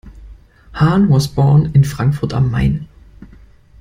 Hahn was born in Frankfurt am Main.